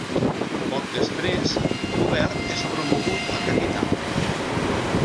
Poc després, d'Hubert és promogut a capità.